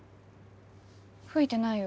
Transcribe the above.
吹いてないよ。